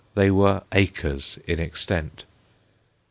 They were acres in extent.